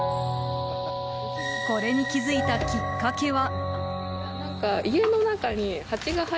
これに気づいたきっかけは。